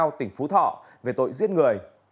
công an tỉnh phú thọ về tội giết người